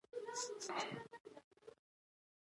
مېلمه ته د کور دروازې مه بندوه.